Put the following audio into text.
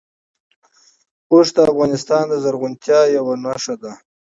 اوښ د افغانستان د زرغونتیا یوه نښه ده.